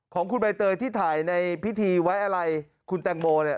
ของคุณใบเตยที่ถ่ายในพิธีไว้อะไรคุณแตงโมเนี่ย